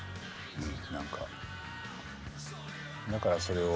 うん。